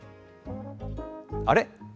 あれ？